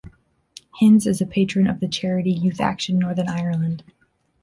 Hinds is a Patron of the charity YouthAction Northern Ireland.